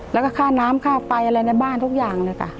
แล้วก็ค่าน้ำค่าไฟอะไรในบ้านทุกอย่างเลยค่ะ